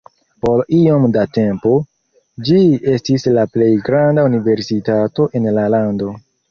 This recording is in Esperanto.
Por iom da tempo, ĝi estis la plej granda universitato en la lando.